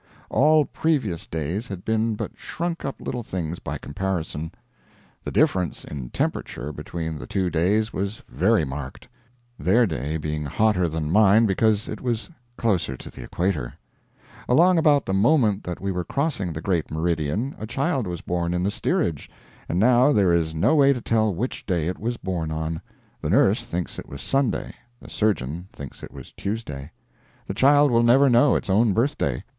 All previous days had been but shrunk up little things by comparison. The difference in temperature between the two days was very marked, their day being hotter than mine because it was closer to the equator. Along about the moment that we were crossing the Great Meridian a child was born in the steerage, and now there is no way to tell which day it was born on. The nurse thinks it was Sunday, the surgeon thinks it was Tuesday. The child will never know its own birthday.